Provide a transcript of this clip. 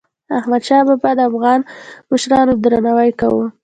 احمدشاه بابا د افغان مشرانو درناوی کاوه.